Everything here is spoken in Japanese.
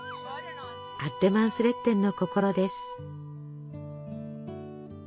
アッレマンスレッテンの心です。